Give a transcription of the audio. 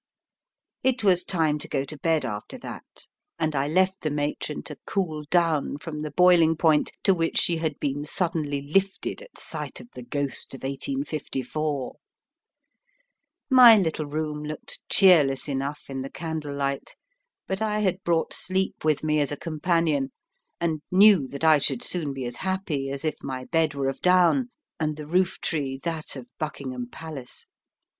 It was time to go to bed after that, and I left the matron to cool down from the boiling point to which she had been suddenly lifted at sight of the ghost of 1854. My little room looked cheerless enough in the candlelight, but I had brought sleep with me as a companion, and knew that I should soon be as happy as if my bed were of down, and the roof tree that of Buckingham Palace.